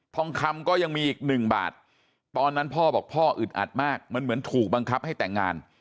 ทองคำก็ยังมีอีกหนึ่งบาทตอนนั้นพ่อบอกพ่ออึดอัดมากมันเหมือนถูกบังคับให้แต่งงาน